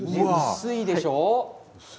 薄いでしょう？